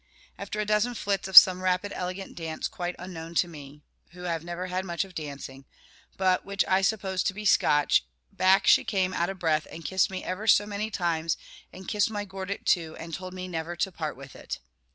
After a dozen flits of some rapid elegant dance quite unknown to me (who have never had much of dancing), but which I supposed to be Scotch, back she came out of breath, and kissed me ever so many times, and kissed my gordit too, and told me never to part with it.